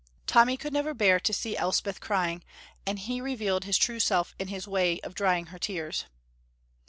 Tommy could never bear to see Elspeth crying, and he revealed his true self in his way of drying her tears.